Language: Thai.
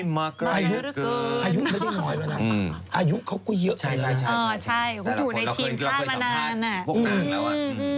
มาเร็วเกินอายุเขาก็เยอะนะใช่อยู่ในทีมก็มานาน